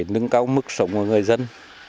nâng cao mức sống của người dân